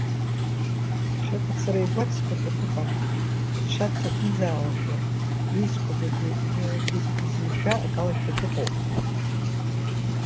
Ԥхьаҟа ацара игәы ацԥыҳәо дыҟам, ицәа дҭаӡыӡаауашәа, изқәа бызбызуашәа акалашәа дыҟоуп.